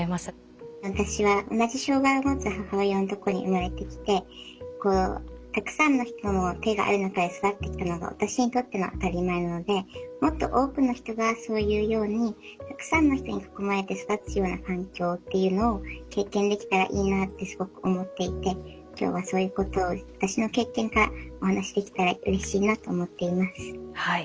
私は同じ障害をもつ母親のとこに生まれてきてたくさんの人の手がある中で育ってきたのが私にとっての当たり前なのでもっと多くの人がそういうようにたくさんの人に囲まれて育つような環境っていうのを経験できたらいいなってすごく思っていて今日はそういうことを私の経験からお話しできたらうれしいなと思っています。